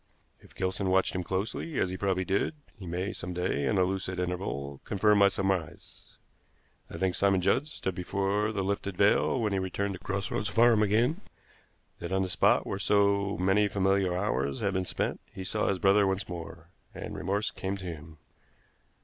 "If Gilson watched him closely, as he probably did, he may some day, in a lucid interval, confirm my surmise. I think Simon Judd stood before the lifted veil when he returned to Cross Roads Farm again; that on the spot where so many familiar hours had been spent he saw his brother once more, and remorse came to him.